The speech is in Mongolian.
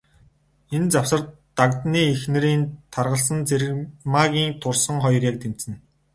Энэ завсар, Дагданы эхнэрийн таргалсан, Цэрмаагийн турсан хоёр яг тэнцэнэ.